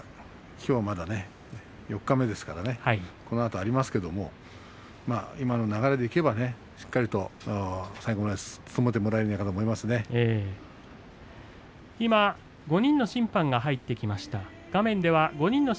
きょうはまだ四日目ですからこのあとありますけれども今の流れでいけばしっかりと最後まで務めてもらえるんじゃないかと５人の審判が入ってきました。